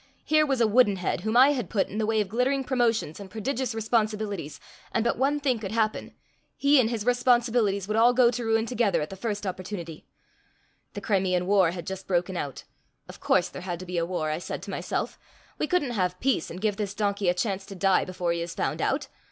Here was a woodenhead whom I had put in the way of glittering promotions and prodigious responsibilities, and but one thing could happen: he and his responsibilities would all go to ruin together at the first opportunity. The Crimean war had just broken out. Of course there had to be a war, I said to myself: we couldn't have peace and give this donkey a chance to die before he is found out.